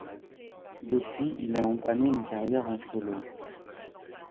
Depuis, il a entamé une carrière en solo.